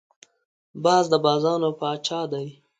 باز د بازانو پاچا دی